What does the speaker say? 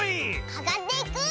かかっていく！